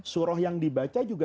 surah yang dibaca juga